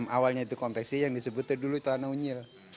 awalnya itu konveksi yang disebutnya dulu tanah unyil